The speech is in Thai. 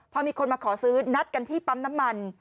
พอมีคนมาขอซื้อนัดกันที่ปั๊มน้ำมัน